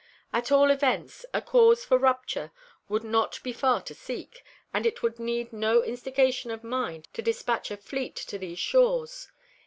At all events, a cause for rupture would not be far to seek, and it would need no instigation of mine to despatch a fleet to these shores.